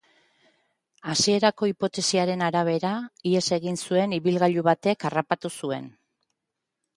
Hasierako hipotesiaren arabera, ihes egin zuen ibilgailu batek harrapatu zuen.